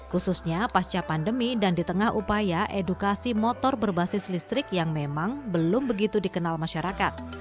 khususnya pasca pandemi dan di tengah upaya edukasi motor berbasis listrik yang memang belum begitu dikenal masyarakat